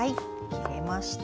切れました。